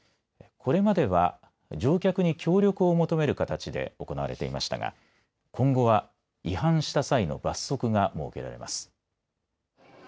これまでは乗客に協力を求める形で行われていましたが今後は違反した際の罰則が設けられます。